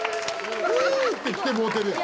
「フゥ！」って言ってもうてるやん。